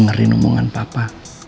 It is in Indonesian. sudah ada yang mengguna saya